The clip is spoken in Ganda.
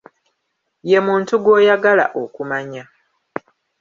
Ye muntu gw'oyagala okumanya.